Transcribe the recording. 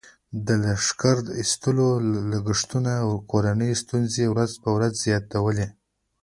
د لښکر ایستلو لګښتونو کورنۍ ستونزې ورځ په ورځ زیاتولې.